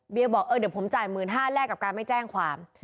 บอกเออเดี๋ยวผมจ่าย๑๕๐๐แลกกับการไม่แจ้งความ